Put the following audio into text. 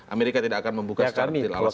amerika tidak akan membuka secara detail